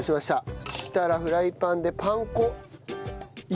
そしたらフライパンでパン粉煎る。